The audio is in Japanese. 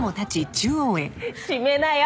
「閉めなよ」